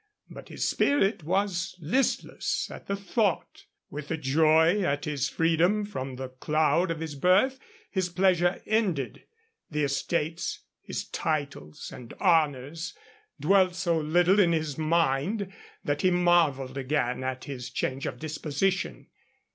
But his spirit was listless at the thought. With the joy at his freedom from the cloud of his birth his pleasure ended. The estates, his titles and honors, dwelt so little in his mind that he marveled again at his change of disposition.